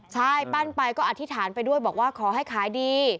ใช่ปั้นไปก็อธิษฐานไปด้วยบอกว่าขอให้ขายดี